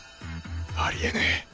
ありえねえ！